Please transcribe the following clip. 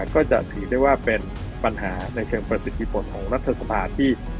ก็จะถือได้ว่าเป็นปัญหาในเชิงประสิทธิผลของรัฐสภาที่